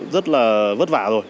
rất là vất vả rồi